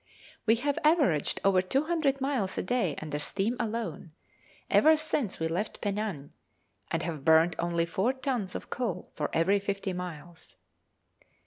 We have averaged over 200 miles a day under steam alone, ever since we left Penang, and have burnt only four tons of coal for every fifty miles.